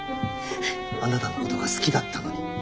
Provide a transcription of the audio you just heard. あなたのことが好きだったのに。